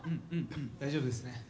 大丈夫ですね？